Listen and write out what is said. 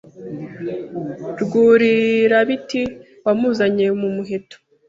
Rwurirabiti wamuzanye ku muheto